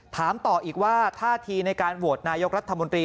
ถามต่ออีกว่าท่าทีในการโหวตนายกรัฐมนตรี